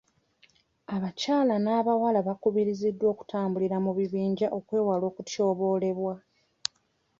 Abakyala n'abawala bakubirizibwa okutambulira mu bibiinja okwewala okutyobolebwa.